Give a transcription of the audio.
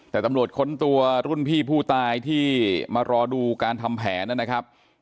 แต่ตำรวจค้นตัวรุ่นพี่ผู้ตายที่มารอดูการทำแผนนะครับ